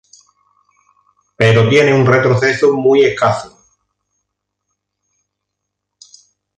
Pero tiene un retroceso muy escaso.